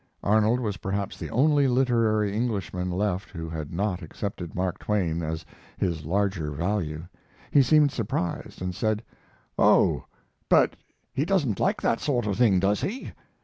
Arnold was perhaps the only literary Englishman left who had not accepted Mark Twain at his larger value. He seemed surprised and said: "Oh, but he doesn't like that sort of thing, does he?"